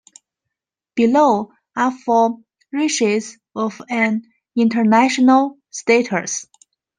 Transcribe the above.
Below are for races of an International status.